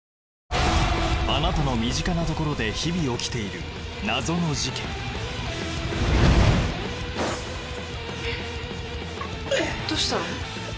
あなたの身近なところで日々起きている謎の事件うっどうしたの？